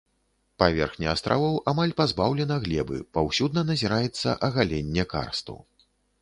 Паверхня астравоў амаль пазбаўлена глебы, паўсюдна назіраецца агаленне карсту.